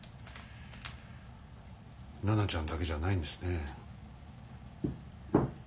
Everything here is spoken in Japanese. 奈々ちゃんだけじゃないんですね。